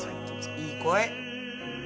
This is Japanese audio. いい声。